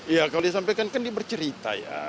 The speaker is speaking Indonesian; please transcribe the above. ya kalau dia sampaikan kan dia bercerita ya